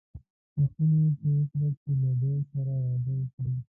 غوښتنه یې ترې وکړه چې له دې سره واده وکړي.